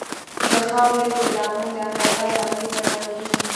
د خاورې د دانو د اندازې تحلیل ترسره کیږي